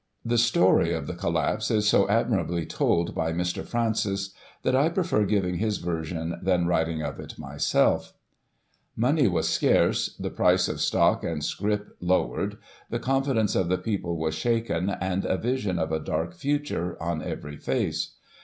The story of the collapse is so admirably told by Mr. Francis, that I prefer giving his version thcin writing of it myself :" Money was scarce, the price of stock and scrip lowered ; the confidence of the people was shaken, and a vision of a dark future on every face.